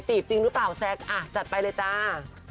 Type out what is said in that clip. จริงหรือเปล่าแซ็กอ่ะจัดไปเลยจ้า